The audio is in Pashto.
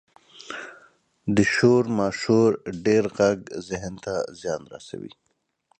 • د شور ماشور ډېر ږغ ذهن ته زیان رسوي.